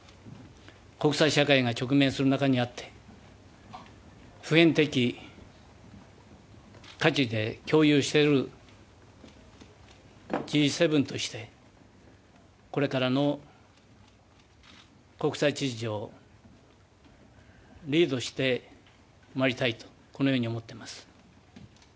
国際社会が直面する中にあって普遍的価値で共有しているＧ７としてこれからの国際秩序をリードしてまいりたいとこのように思っております。